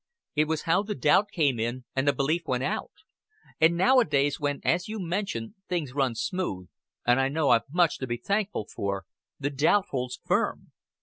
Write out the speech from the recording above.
It was how the doubt came in and the belief went out. And nowadays, when, as you mention, things run smooth and I know I've much to be thankful for, the doubt holds firm.